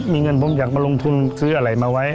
มีเงินผมอยากมาลงทุนซื้ออะไรมาไว้